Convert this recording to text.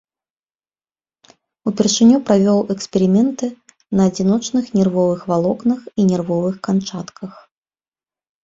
Упершыню правёў эксперыменты на адзіночных нервовых валокнах і нервовых канчатках.